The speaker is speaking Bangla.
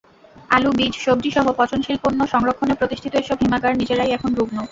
আলু, বীজ, সবজিসহ পচনশীল পণ্য সংরক্ষণে প্রতিষ্ঠিত এসব হিমাগার নিজেরাই এখন রুগ্ণ।